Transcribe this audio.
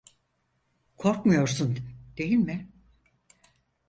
Korkmuyorsun, değil mi?